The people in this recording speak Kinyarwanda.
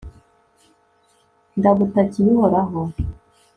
ndagutakiye, uhoraho